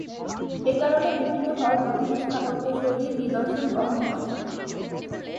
একারণে বিভিন্ন হল বিভিন্ন স্থাপত্যশৈলীর নিদর্শন বহন করে।